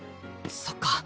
そっか。